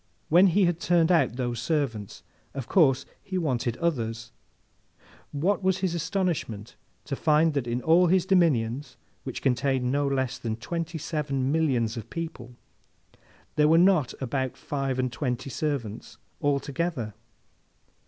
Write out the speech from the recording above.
When he had turned out those servants, of course he wanted others. What was his astonishment to find that in all his dominions, which contained no less than twenty seven millions of people, there were not above five and twenty servants altogether!